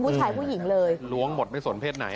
ได้หลวงหมดเป็นส่วนเพศไหม